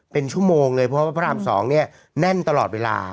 เป็นชั่วโมงเลยเพราะว่าพระราม๒เนี่ยแน่นตลอดเวลา